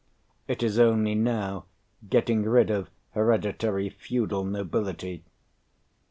It is only now getting rid of hereditary feudal nobility.